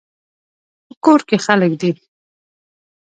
په کور کې خلک دي